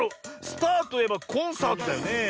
スターといえばコンサートだよねえ。